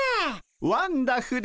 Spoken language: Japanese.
ワンダフル！